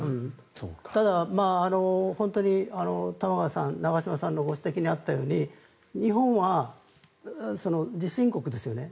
ただ、本当に玉川さん、長嶋さんのご指摘にあったように日本は地震国ですよね。